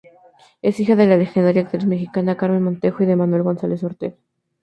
Es hija de la legendaria actriz mexicana Carmen Montejo y de Manuel González Ortega.